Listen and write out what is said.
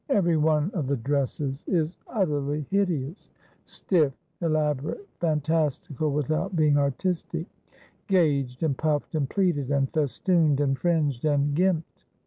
Every one of the dresses is utterly hideous ; stifE, elaborate ; fantastical, without being artistic ; gaged and puffed and pleated, and festooned and fringed and gimped.